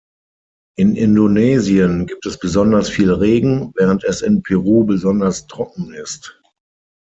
In Indonesien gibt es besonders viel Regen, während es in Peru besonders trocken ist.